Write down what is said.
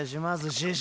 師匠。